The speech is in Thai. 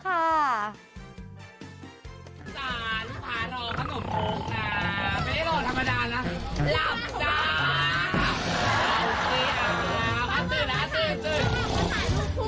จ้าลูกพายรอขนมครกน่ะ